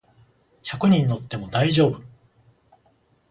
百人乗っても大丈夫